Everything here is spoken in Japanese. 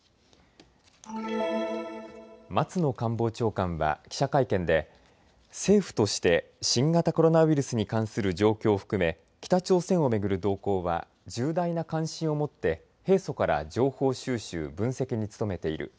松野官房長官は記者会見で政府として新型コロナウイルスに関する状況を含め北朝鮮を巡る動向は重大な関心を持って平素から情報収集・分析に努めている。